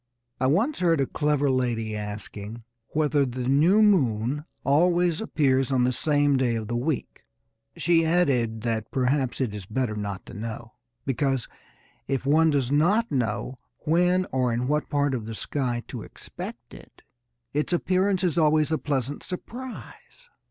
I once heard a clever lady asking whether the new moon always appears on the same day of the week. She added that perhaps it is better not to know, because, if one does not know when or in what part of the sky to expect it, its appearance is always a pleasant surprise.